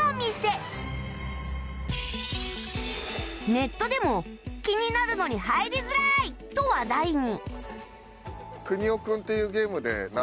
ネットでも気になるのに入りづらいと話題に